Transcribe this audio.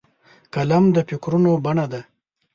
قلم د فکرونو بڼه ده